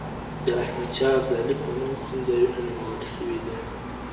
د احمد شاه ابدالي په نوم کوم ځایونه نومول سوي دي؟